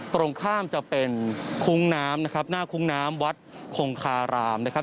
ตรงข้ามจะเป็นคุ้งน้ำนะครับหน้าคุ้งน้ำวัดคงคารามนะครับ